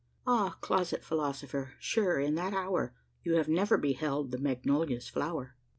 Ah! closet philosopher, sure, in that hour, You had never beheld the magnolia's flower?